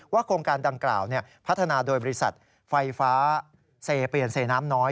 โครงการดังกล่าวพัฒนาโดยบริษัทไฟฟ้าเซเปียนเซน้ำน้อย